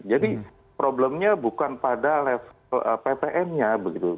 jadi problemnya bukan pada level ppn nya begitu